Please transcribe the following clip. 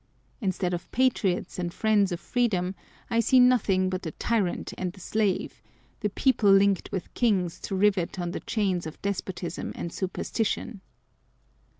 Instead of patriots and friends of freedom, I see nothing but the tyrant and the slave, the people linked with kings to rivet on the chains of despotism and superstition.